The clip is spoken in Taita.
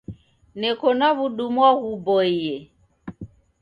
Neko na w'udumwa ghuboie.